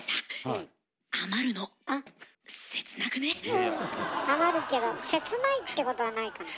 うん余るけど切ないってことはないかな。